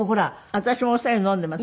私もお白湯飲んでいます。